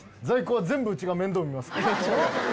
在庫は全部うちが面倒見ます。